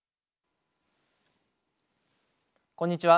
こんにちは。